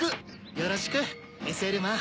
よろしくＳＬマン。